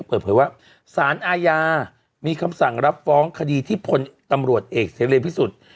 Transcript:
เปิดเผยว่าสารอาญามีคำสั่งรับฟ้องคดีที่พลตำรวจเอกเสรีพิสุทธิ์